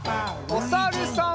おさるさん。